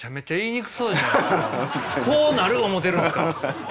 こうなる思てるんですか？